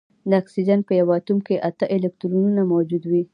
د اکسیجن په یوه اتوم کې اته الکترونونه موجود وي